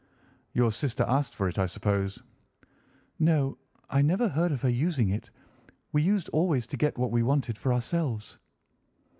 "Your sister asked for it, I suppose?" "No, I never heard of her using it. We used always to get what we wanted for ourselves."